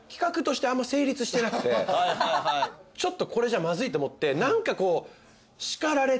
ちょっとこれじゃまずいと思って何かこう。